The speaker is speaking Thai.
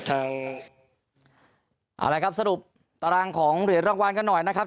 อะไรครับสรุปตารางของเหรียญรางวัลกันหน่อยนะครับ